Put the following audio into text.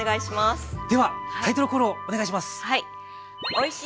ではタイトルコールをお願いします。